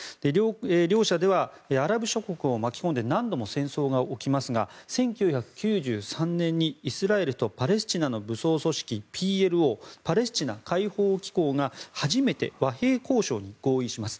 両者ではアラブ諸国を巻き込んで何度も戦争が起きますが１９９３年にイスラエルとパレスチナの武装組織ＰＬＯ・パレスチナ解放機構が初めて和平交渉に合意します。